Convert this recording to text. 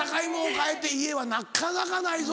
買えって家はなかなかないぞ。